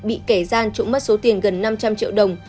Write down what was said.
bị kẻ gian trộm mất số tiền gần năm trăm linh triệu đồng